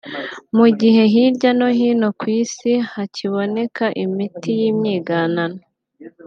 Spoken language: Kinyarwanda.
mu gihe hirya no hino ku isi hakiboneka imiti y’imyiganano